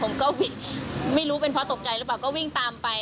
ผมก็วิ่งไม่รู้เป็นเพราะตกใจหรือเปล่าก็วิ่งตามไป